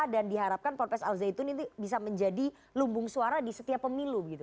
dan diharapkan profesor al zaitun ini bisa menjadi lumbung suara di setiap pemilu